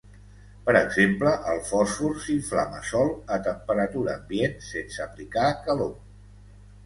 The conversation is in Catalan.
Per exemple, el fòsfor s'inflama sol a temperatura ambient sense aplicar calor.